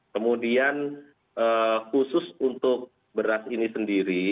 kemudian khusus untuk beras ini sendiri